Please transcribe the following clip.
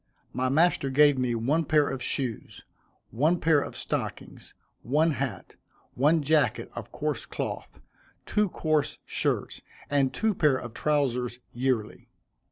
My master gave me one pair of shoes, one pair of stockings, one hat, one jacket of coarse cloth, two coarse shirts, and two pair of trowsers, yearly.